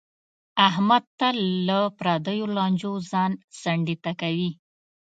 احمد تل له پردیو لانجو ځان څنډې ته کوي.